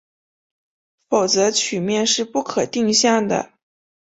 否则曲面是不可定向的。